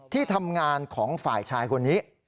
ที่ทำงานของฝ่ายชายคนนี้